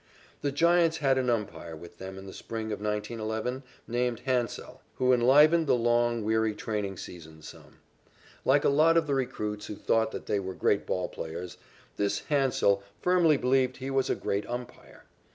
The Giants had an umpire with them in the spring of 1911, named Hansell, who enlivened the long, weary, training season some. Like a lot of the recruits who thought that they were great ball players, this Hansell firmly believed he was a great umpire.